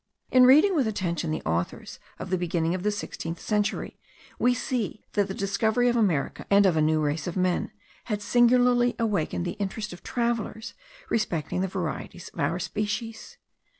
In reading with attention the authors of the beginning of the 16th century, we see that the discovery of America and of a new race of men, had singularly awakened the interest of travellers respecting the varieties of our species.